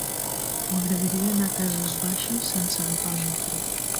M'agradaria anar a Cases Baixes sense agafar el metro.